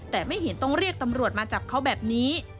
แต่ไม่เห็นต้องเรียกตำรวจมาจับเขาแบบนี้